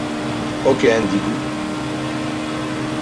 Ok Indigo